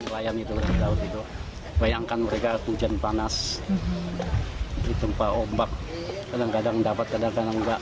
nelayan itu bayangkan mereka hujan panas ditumpah ombak kadang kadang dapat kadang kadang enggak